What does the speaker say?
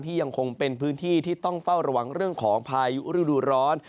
ยังคงเป็นพื้นที่ที่ต้องเฝ้าระวังเรื่องของพายุฤดูร้อน